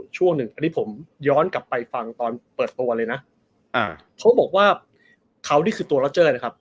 ช่วงหนึ่งอันนี้ผมย้อนกลับไปฟังตอนเปิดตัวเลยนะเขาบอกว่าเขานี่คือตัวล็อเจอร์นะครับ